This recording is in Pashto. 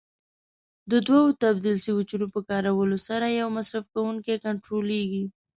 د دوو تبدیل سویچونو په کارولو سره یو مصرف کوونکی کنټرولېږي.